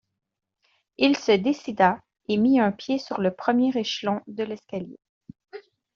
Il se décida et mit un pied sur le premier échelon de l’escalier.